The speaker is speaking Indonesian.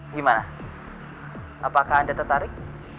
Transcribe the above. gimana apakah anda tertarik